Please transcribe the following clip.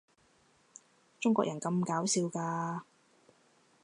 中國人咁搞笑㗎